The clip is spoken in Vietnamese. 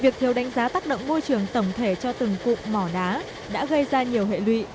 việc theo đánh giá tác động môi trường tổng thể cho từng cụm mỏ đá đã gây ra nhiều hệ lụy